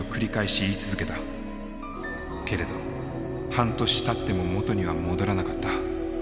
けれど半年たっても元には戻らなかった。